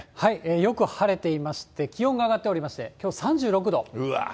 よく晴れていまして、気温が上がっておりまして、きょう３６度。